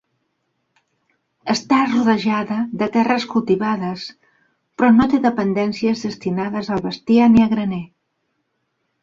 Està rodejada de terres cultivades però no té dependències destinades al bestiar ni a graner.